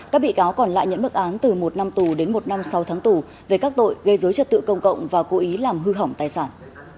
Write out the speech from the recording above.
các bị cáo còn lại nhận mức án từ một năm tù đến một năm sau tháng tù về các tội gây dối trật tự công cộng và cố ý làm hư hỏng tài sản